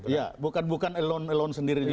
ya bukan alone alone sendiri